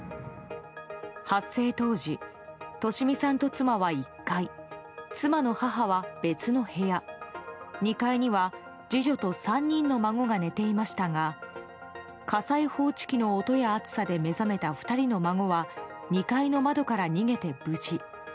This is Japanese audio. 発生当時、利美さんと妻は１階妻の母は別の部屋２階には次女と３人の孫が寝ていましたが火災報知機の音や熱さで目覚めた２人の孫は２階の窓から逃げて無事。